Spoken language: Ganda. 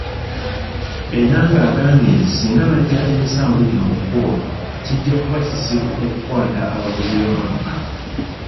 Enanga agambye nti singa bajja emisanvu gino mu makubo, kijja kuba kizibu okukwata abavuzi b'emmotoka.